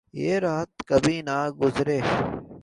یہ رات کبھی نہ گزرے